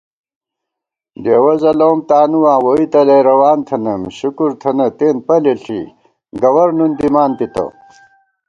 ڈېوَہ ځَلَؤم تانُواں ووئی تلَئی روان تھنَئیم شُکُر تھنہ تېن پلےݪی گور نُن دِمان تِتہ